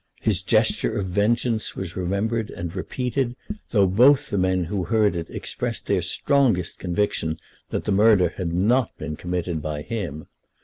His gesture of vengeance was remembered and repeated, though both the men who heard it expressed their strongest conviction that the murder had not been committed by him.